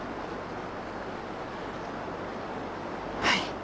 はい！